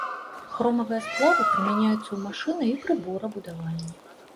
Хромавыя сплавы прымяняюцца ў машына- і прыборабудаванні.